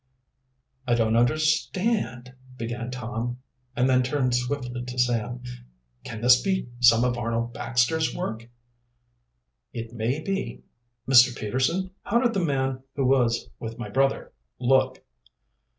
"I don't understand " began Tom, and then turned swiftly to Sam. "Can this be some of Arnold Baxter's work?" "It may be. Mr. Peterson, how did the man who was with my brother look?"